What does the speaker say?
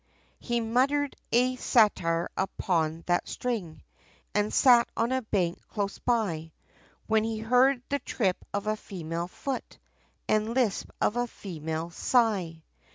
He muttered a satire upon that string, And sat on a bank, close by, When he heard the trip of a female foot, And lisp of a female sigh!